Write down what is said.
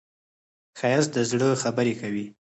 ښایست د زړه خبرې کوي